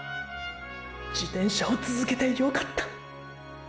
自転車を続けてよかった。